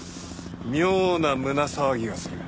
妙な胸騒ぎがする。